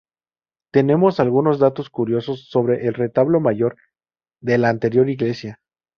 Tenemos algunos datos curiosos sobre el retablo mayor de la anterior iglesia.